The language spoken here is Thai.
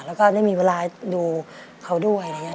แล้วก็ได้มีเวลาดูเขาด้วย